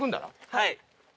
はい。